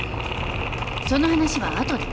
その話は後で。